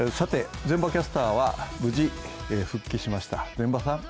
膳場キャスターは無事復帰しました。